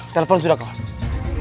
telepon sudah kawan